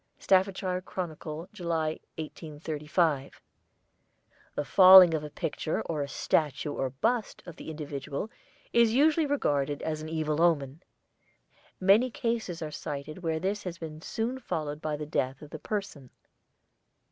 (Staffordshire Chronicle, July, 1835). The falling of a picture or a statue or bust of the individual is usually regarded as an evil omen. Many cases are cited where this has been soon followed by the death of the person.